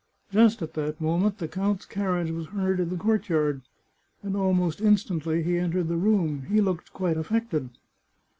Just at that moment the count's carriage was heard in the courtyard, and almost instantly he entered the room. He looked quite aflFected.